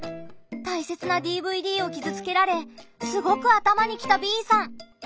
たいせつなＤＶＤを傷つけられすごく頭にきたＢさん。